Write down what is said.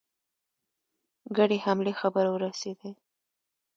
ګډې حملې خبر ورسېدی.